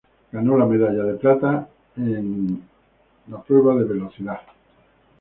Ganó la medalla de plata en los en la prueba de velocidad.